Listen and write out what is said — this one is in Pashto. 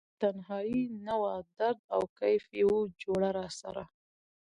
تنهایې نه وه درد او کیف یې و جوړه راسره